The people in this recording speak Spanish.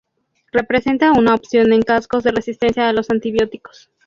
Representa una opción en casos de resistencia a los antibióticos.